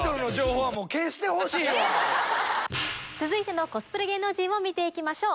えっ⁉続いてのコスプレ芸能人を見て行きましょう。